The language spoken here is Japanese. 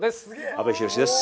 阿部寛です